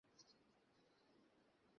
এই বীভৎস ব্যাপারে তারা ভীষণ আতঙ্কিত।